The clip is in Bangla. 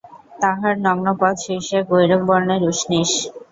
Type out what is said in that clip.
তাঁহার নগ্ন পদ, শীর্ষে গৈরিকবর্ণের উষ্ণীষ।